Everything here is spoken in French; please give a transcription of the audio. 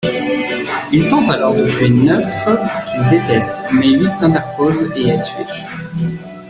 Il tente alors de tuer Neuf qu'il déteste mais Huit s'interpose et est tué.